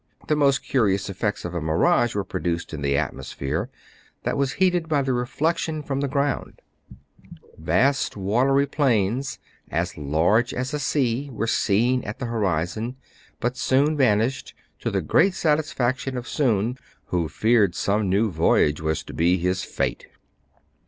The most curious effects of a mirage were produced in the atmosphere, that was heated by the reflection from the ground. Vast watery plains, as large as a sea, were seen at the horizon, CRAIG AND FRY SEE THE MOON RISE. 249 but soon vanished, to the great satisfaction of Soun, who feared some new voyage was to be his fate.